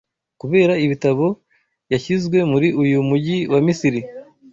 Kubera ibitabo yashyizwe muri uyu mujyi wa Misiri